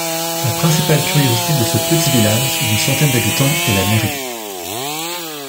La principale curiosité de ce petit village d'une centaine d'habitants est la mairie.